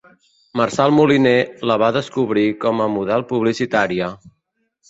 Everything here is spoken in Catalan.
Marçal Moliner la va descobrir com a model publicitària.